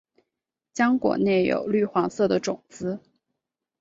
浆果内有绿黄色的种子。